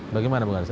bagaimana pak garis